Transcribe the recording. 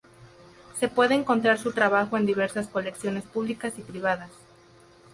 Se puede encontrar su trabajo en diversas colecciones públicas y privadas.